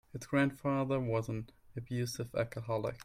His grandfather was an abusive alcoholic.